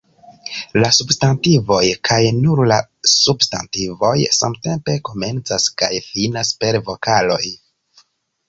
La substantivoj, kaj nur la substantivoj, samtempe komencas kaj finas per vokaloj.